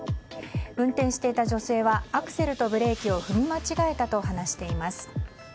運転していた女性はアクセルとブレーキを踏み間違えたと話しています。